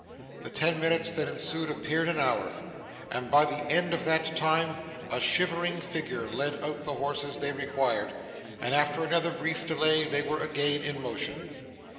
The ten minutes that ensued appeared an hour; but at the end of that time, a shivering figure led out the horses they required, and after another brief delay they were again in motion.